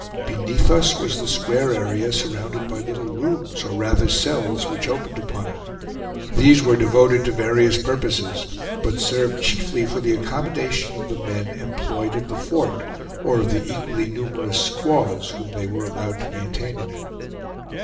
Beneath us was the square area surrounded by little rooms, or rather cells, which opened upon it. These were devoted to various purposes, but served chiefly for the accommodation of the men employed at the fort, or of the equally numerous squaws, whom they were allowed to maintain in it.